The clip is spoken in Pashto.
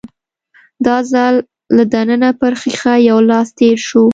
دا ځل له دننه پر ښيښه يو لاس تېر شو.